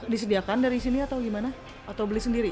disediakan dari sini atau gimana atau beli sendiri